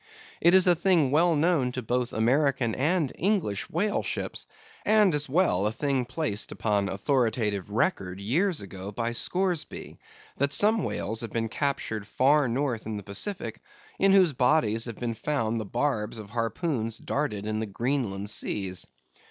It is a thing well known to both American and English whale ships, and as well a thing placed upon authoritative record years ago by Scoresby, that some whales have been captured far north in the Pacific, in whose bodies have been found the barbs of harpoons darted in the Greenland seas.